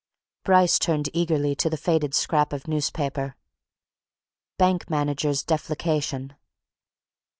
Bryce turned eagerly to the faded scrap of newspaper. BANK MANAGER'S DEFALCATION.